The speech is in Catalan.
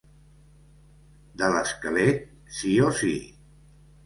De l'esquelet, sí o sí.